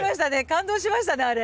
感動しましたねあれ。